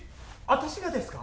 私がですか？